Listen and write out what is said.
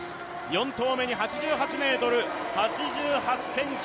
４投目に８８ｍ８３ｃｍ。